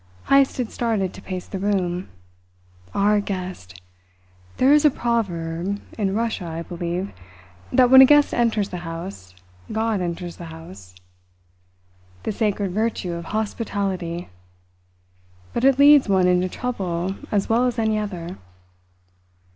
Heyst had started to pace the room. "Our guest! There is a proverb in Russia, I believe that when a guest enters the house, God enters the house. The sacred virtue of hospitality! But it leads one into trouble as well as any other."